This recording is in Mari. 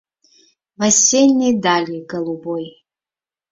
В осенней дали голубой.